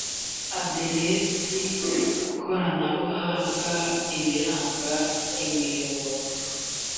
aderesi koranabuhanga ibiranga imiyoboro